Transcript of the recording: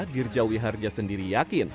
girjawi harja sendiri yakin